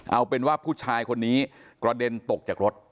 เอาเป็นว่าผู้ชายคนนี้กระเด็นตกจากรถ